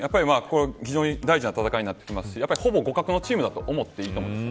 非常に大事な戦いになってきますし、ほぼ互角のチームだと思っています。